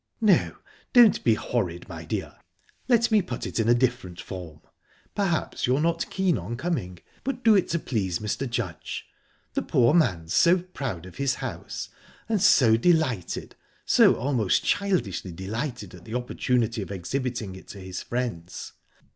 "No, don't be horride, my dear. Let me put it in a different form. Perhaps you're not keen on coming; but do it to please Mr. Judge. The poor man's so proud of his house, and so delighted so almost childishly delighted at the opportunity of exhibiting it to his friends.